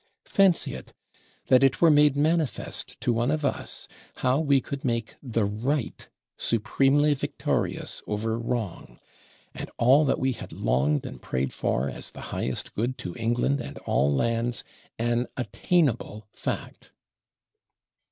Fancy it: that it were made manifest to one of us, how we could make the Right supremely victorious over Wrong, and all that we had longed and prayed for, as the highest good to England and all lands, an attainable fact!